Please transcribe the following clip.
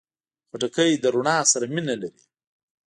خټکی له رڼا سره مینه لري.